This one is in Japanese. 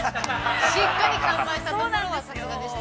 しっかり乾杯したところはさすがでした。